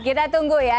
kita tunggu ya